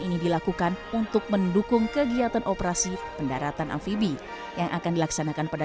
ini dilakukan untuk mendukung kegiatan operasi pendaratan amfibi yang akan dilaksanakan pada